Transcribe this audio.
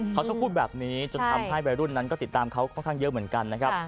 เขาชอบพูดแบบนี้จนทำให้วัยรุ่นนั้นก็ติดตามเขาค่อนข้างเยอะเหมือนกันนะครับ